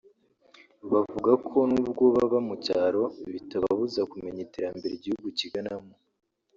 Bavuga ko n’ubwo baba mu cyaro bitababuza kumenya iterambere igihugu kiganamo